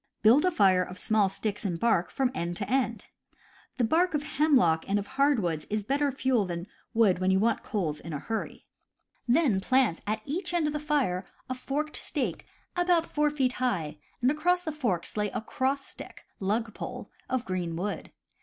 Build a fire of small sticks and bark from end to end. The bark of hemlock and of hardwoods is better fuel than wood when you want coals in a hurry. 116 CAMPING AND WOODCRAFT Then plant at each end of the fire a forked stake about 4 feet high and across the forks lay a cross stick (lug pole) of green wood.